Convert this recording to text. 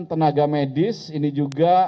tenaga medis ini juga